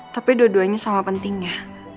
tapi dua duanya sama pentingnya